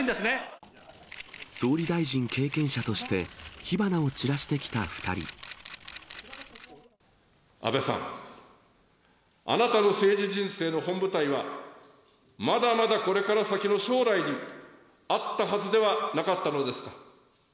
総理大臣経験者として、安倍さん、あなたの政治人生の本舞台は、まだまだこれから先の将来にあったはずではなかったのですか。